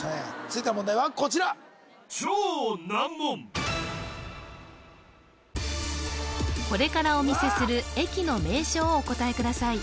続いての問題はこちらこれからお見せする駅の名称をお答えください